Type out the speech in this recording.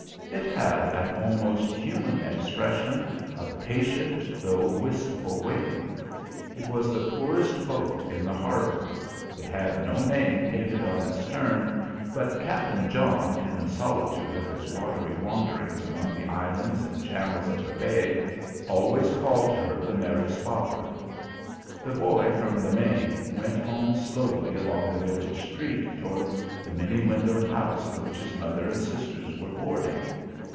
It had an almost human expression of patient though wistful waiting. It was the poorest boat in the Harbor; it had no name painted on its stern, but Captain John, in the solitude of his watery wanderings among the islands and channels of the bay, always called her the Mary Spofford. The boy from the main went home slowly along the village street toward the many windowed house in which his mother and sisters were boarding.